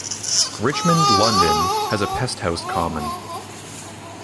Richmond, London has a Pesthouse common.